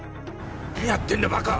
何やってんだバカ！